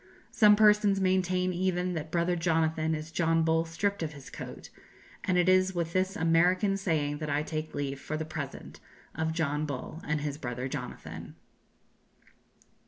Some persons maintain even that Brother Jonathan is John Bull stripped of his coat, and it is with this American saying that I take leave, for the present, of John Bull and his brother Jonathan."